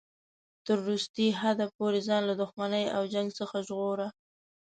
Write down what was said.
تر وروستي حد پورې ځان له دښمنۍ او جنګ څخه ژغوره.